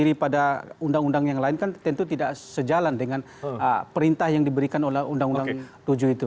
berdiri pada undang undang yang lain kan tentu tidak sejalan dengan perintah yang diberikan oleh undang undang tujuh itu